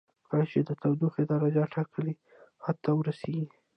کله چې د تودوخې درجه ټاکلي حد ته ورسیږي.